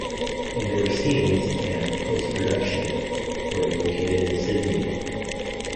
Indoor scenes and post-production were located in Sydney.